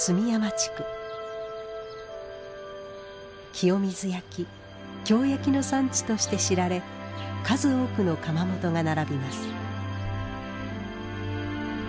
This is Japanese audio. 清水焼・京焼の産地として知られ数多くの窯元が並びます。